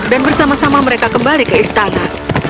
dan bersama sama mereka kembali ke istana